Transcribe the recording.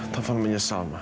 taufan menyesal ma